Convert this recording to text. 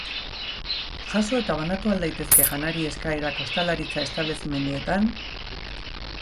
Jaso eta banatu al daitezke janari-eskaerak ostalaritza-establezimenduetan?